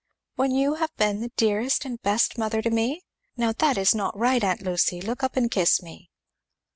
"When you have been the dearest and best mother to me? Now that is not right, aunt Lucy look up and kiss me."